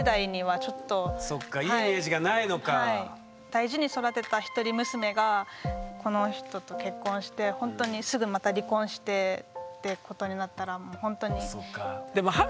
大事に育てた一人娘がこの人と結婚してほんとにすぐまた離婚してってことになったらほんとに。